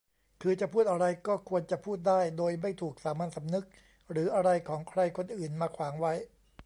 คือจะพูดอะไรก็ควรจะพูดได้ โดยไม่ถูกสามัญสำนึกหรืออะไรของใครคนอื่นมาขวางไว้